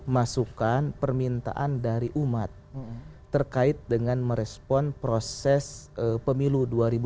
masukan permintaan dari umat terkait dengan merespon proses pemilu dua ribu dua puluh